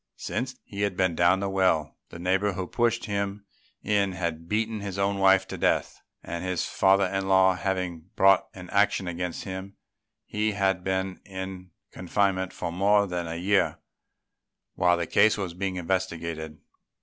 Since he had been down the well, the neighbour who pushed him in had beaten his own wife to death; and his father in law having brought an action against him, he had been in confinement for more than a year while the case was being investigated.